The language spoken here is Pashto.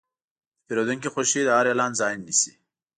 د پیرودونکي خوښي د هر اعلان ځای نیسي.